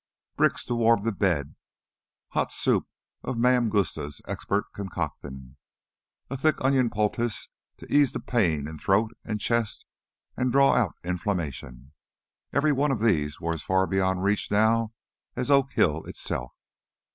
Bricks to warm the bed, hot soup of Mam Gusta's expert concocting, a thick onion poultice to ease the pain in throat and chest and draw out inflammation: every one of those were as far beyond reach now as Oak Hill itself!